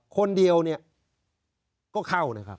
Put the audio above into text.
คนเดียวเนี่ยก็เข้านะครับ